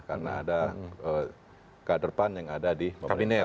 karena ada kader pan yang ada di kabinet